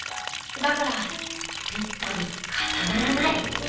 だからピッタリかさならない。